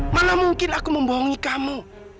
malah mungkin aku membohongi kamu